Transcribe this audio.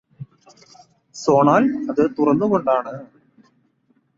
സോണാൽ അത് തുറന്നുകൊണ്ടാണ്